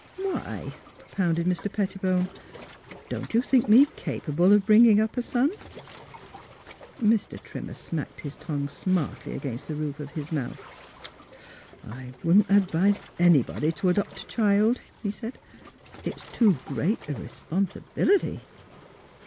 " Why? " propounded Mr. Pettibone. " Don't you think me capable of bringing up a son 1 '' Mr. Trimmer smacked his tongue smartly against the roof of his mouth. •" I wouldn't advise anybody to adopt a child," he said. " It's too great a r'sponsibility."